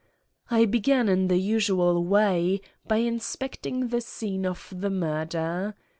I began, in the usual way, by inspecting the scene of the murder.